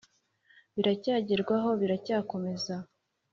biracyagerwaho, biracyakomeza,